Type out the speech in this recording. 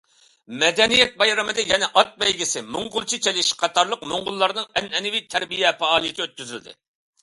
مەدەنىيەت بايرىمىدا يەنە ئات بەيگىسى، موڭغۇلچە چېلىشىش قاتارلىق موڭغۇللارنىڭ ئەنئەنىۋى تەنتەربىيە پائالىيىتى ئۆتكۈزۈلدى.